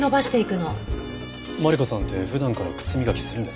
マリコさんって普段から靴磨きするんですか？